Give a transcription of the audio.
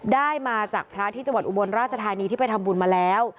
ได้มาจากพระที่จังหวัดอุบลราชธานีที่ไปทำบุญมาแล้ว